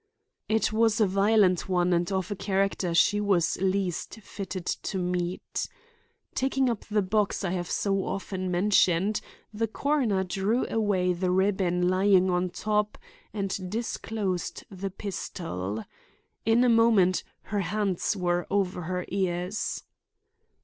It was a violent one and of a character she was least fitted to meet. Taking up the box I have so often mentioned, the coroner drew away the ribbon lying on top and disclosed the pistol. In a moment her hands were over her ears.